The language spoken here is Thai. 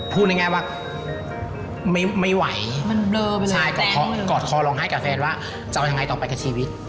พูดง่ายว่าไม่ไหวใช่กอดคอร้องไห้กับแฟนว่าจะเอาอย่างไรต่อไปกับชีวิต